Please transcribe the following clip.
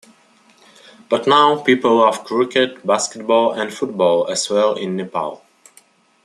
But now people love cricket, basketball and football as well in Nepal.